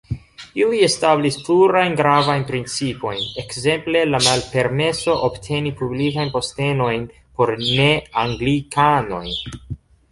Ili establis plurajn gravajn principojn, ekzemple la malpermeso obteni publikajn postenojn por ne-anglikanoj.